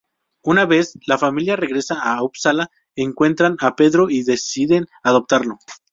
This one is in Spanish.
Una vez la familia regresa a Uppsala, encuentran a Pedro y deciden adoptarlo.